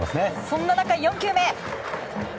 そんな中、４球目！